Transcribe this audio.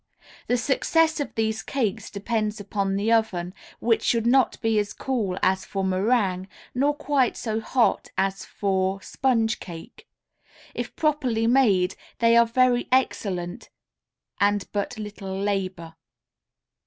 The success of these cakes depends upon the oven, which should not be as cool as for meringue, nor quite so hot as for sponge cake. If properly made, they are very excellent and but little labor.